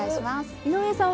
⁉井上さんの？